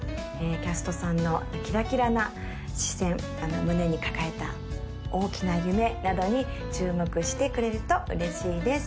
キャストさんのキラキラな視線胸に抱えた大きな夢などに注目してくれると嬉しいです